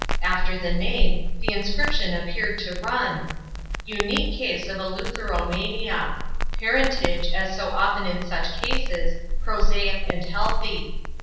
After the name, the inscription appeared to run: "Unique case of Eleutheromania. Parentage, as so often in such cases, prosaic and healthy.